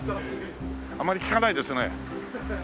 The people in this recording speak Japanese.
あまり聞かないですね。